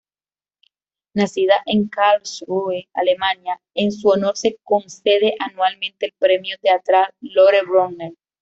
Nacida en Karlsruhe, Alemania, en su honor se concede anualmente el Premio Teatral Lore-Bronner.